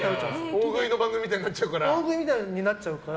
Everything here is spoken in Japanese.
大食いの番組みたいになっちゃうから。